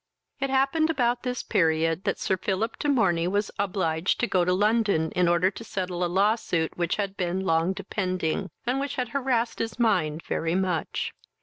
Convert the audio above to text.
It happened about this period that Sir Philip de Morney was obliged to go to London in order to settle a law suit which had been long depending, and which had harassed his mind very much.